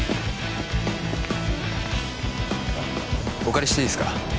お借りしていいですか？